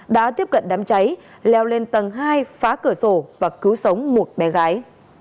đã tiếp cận đám cháy leo lên tầng hai phá cửa sổ và cứu sống một bé gái